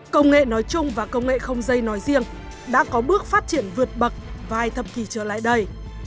công nghệ nói chung và công nghệ không dây nói riêng đã có bước phát triển vượt bậc vài thập kỷ trở lại đây